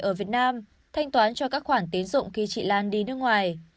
ở việt nam thanh toán cho các khoản tiến dụng khi chị lan đi nước ngoài